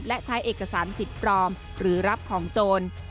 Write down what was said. และใช้เอกสารสิทธิ์ปลอมหรือรับของโจร